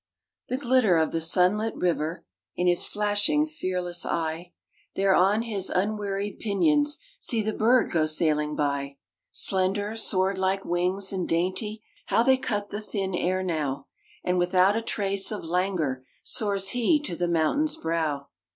The glitter of the sunlit river In his flashing, fearless eye, There on his unwearied pinions See the bird go sailing by! Slender, sword like wings, and dainty, How they cut the thin air now! And without a trace of languor Soars he to the mountain's brow.